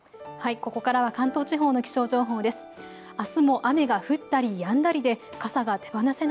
ここからは関東地方の気象情報です。